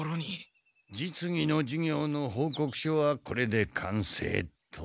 実技の授業の報告書はこれで完成と。